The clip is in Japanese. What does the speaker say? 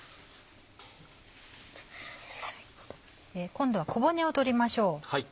今度は小骨を取りましょう。